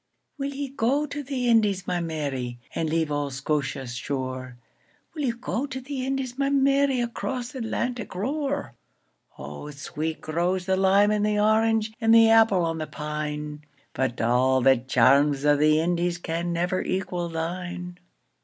WILL ye go to the Indies, my Mary, And leave auld Scotia's shore? Will ye go to the Indies, my Mary, Across th' Atlantic roar?O sweet grows the lime and the orange, And the apple on the pine; But a' the charms o' the IndiesCan never equal thine.